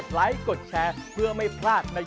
ใช่ค่ะจะปลอดภัย